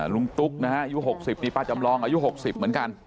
ตุ๊กนะฮะอายุ๖๐นี่ป้าจำลองอายุ๖๐เหมือนกัน